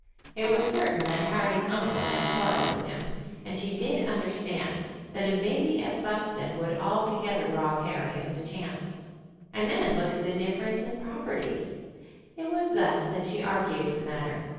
It was certain that Harry's uncle had quarrelled with him, and she did understand that a baby at Buston would altogether rob Harry of his chance. And then look at the difference in the properties! It was thus that she argued the matter.